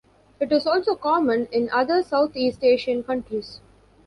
It is also common in other Southeast Asian countries.